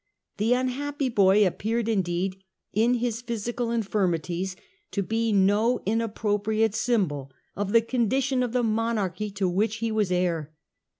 The unhappy boy appeared indeed in his physical infirmities to be no inappropriate symbol of the condition of the monarchy to which he was heir.